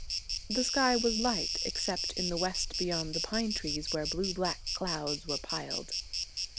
The sky was light, except in the west beyond the pine trees, where blue black clouds were piled.